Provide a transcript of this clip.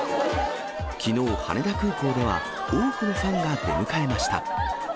きのう、羽田空港では、多くのファンが出迎えました。